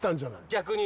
逆に？